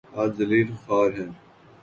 آج ذلیل وخوار ہیں۔